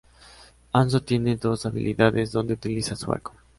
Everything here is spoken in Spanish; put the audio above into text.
Hanzo tiene dos habilidades donde utiliza su arco.